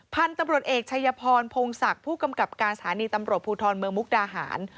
พันธุ์ตำรวจเอกชัยพรพงศักดิ์ผู้กำกับการสถานีตำรวจภูทรเมืองมุกดาหาร